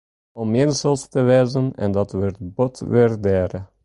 Om jinssels te wêzen, en dat wurdt bot wurdearre.